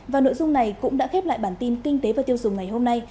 và nội dung này cũng đã khép lại bản tin kinh tế và tiêu dùng ngày hôm nay